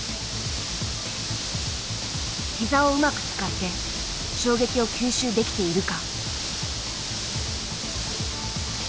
膝をうまく使って衝撃を吸収できているか。